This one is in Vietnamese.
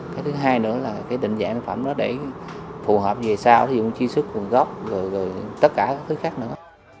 cái thứ hai nữa là cái định dạng sản phẩm đó để phù hợp về sao ví dụ chi sức quần gốc rồi tất cả các thứ khác nữa